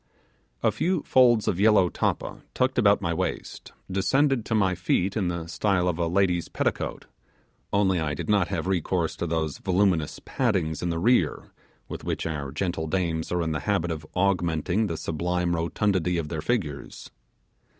A few folds of yellow tappa tucked about my waist, descended to my feet in the style of a lady's petticoat, only I did not have recourse to those voluminous paddings in the rear with which our gentle dames are in the habit of augmenting the sublime rotundity of their figures.